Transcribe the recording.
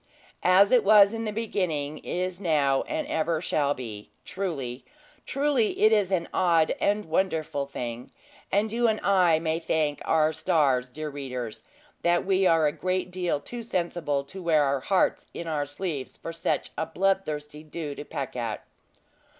"As it was in the beginning, is now, and ever shall be," truly, truly it is an odd and wonderful thing. And you and I may thank our stars, dear readers, that we are a great deal too sensible to wear our hearts in our sleeves for such a bloodthirsty dew to peck at.